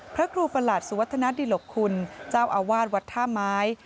พระครูประหลัดสุวัฒนาดิหลกคุณเจ้าอาวาสวัดท่าไม้